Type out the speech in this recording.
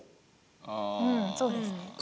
うんそうですね。